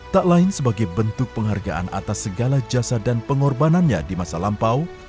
tak lain sebagai bentuk penghargaan atas segala jasa dan pengorbanannya di masa lampau